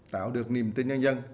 tạo được niềm tin nhân dân